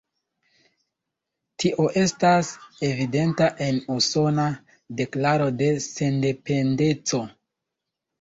Tio estas evidenta en "Usona Deklaro de Sendependeco".